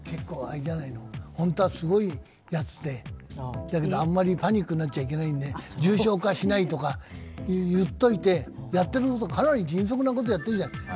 本当はすごいやつで、だけどあんまりパニックになっちゃいけないんで、重症化しないとかと言っておいて、かなり迅速的なことをやっているじゃない。